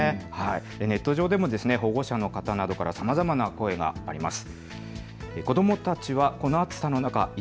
ネット上でも保護者の方などからさまざまな声があります。